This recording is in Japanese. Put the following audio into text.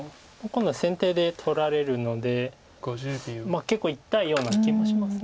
今度は先手で取られるので結構痛いような気がします。